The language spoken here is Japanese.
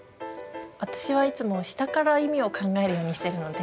私はいつも下から意味を考えるようにしてるので。